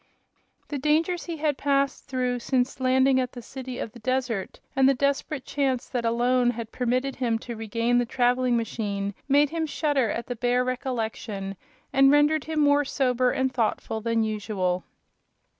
The dangers he had passed through since landing at the city of the desert and the desperate chance that alone had permitted him to regain the traveling machine made him shudder at the bare recollection and rendered him more sober and thoughtful than usual.